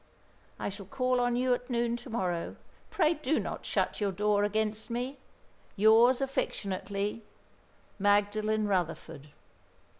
I shall call on you at noon to morrow. Pray do not shut your door against me. "Yours affectionately, "MAGDALEN RUTHERFORD."